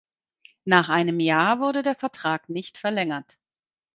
Nach einem Jahr wurde der Vertrag nicht verlängert.